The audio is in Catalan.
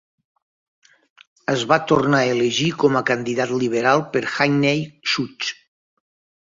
Es va tornar elegir com a candidat liberal per a Hackney South.